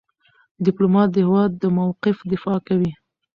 ډيپلومات د هېواد د موقف دفاع کوي.